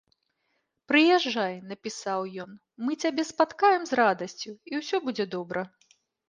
Прыязджай, напісаў ёй, мы цябе спаткаем з радасцю, і ўсё будзе добра.